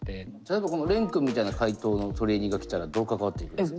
例えばこの廉くんみたいな回答のトレーニーが来たらどう関わっていくんですか？